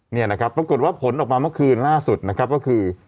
เนี่ยนะครับปรากฏว่าผลออกมาเมื่อคืนล่าสุดนะครับก็คือ